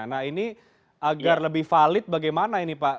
nah ini agar lebih valid bagaimana ini pak